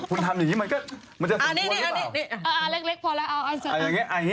คุณทำอย่างงี้มันก็จะสนควรรึเปล่า